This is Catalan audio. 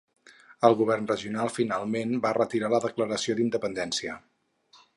El govern regional finalment va retirar la declaració d'independència.